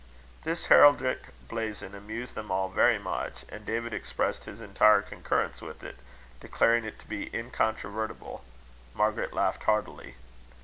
This heraldic blazon amused them all very much, and David expressed his entire concurrence with it, declaring it to be incontrovertible. Margaret laughed heartily.